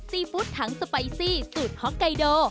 ฟุตทั้งสไปซี่สูตรฮอกไกโด